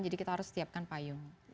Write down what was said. jadi kita harus setiapkan payung